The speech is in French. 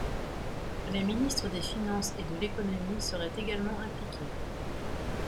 Les ministres des Finances et de l’Économie seraient également impliqués.